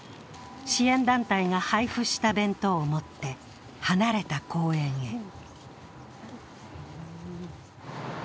支援団体が配布した弁当を持って離れた公園へ。